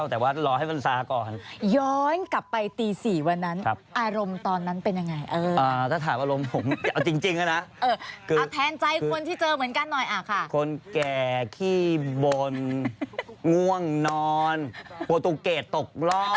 เขามีงานรับงานที่นั่นที่ร้านก็ไม่เคยไปติดเราเข้าไปครั้งแรก